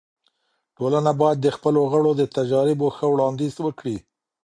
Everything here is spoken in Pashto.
ټولنه باید د خپلو غړو د تجاريبو ښه وړاندیز وکړي.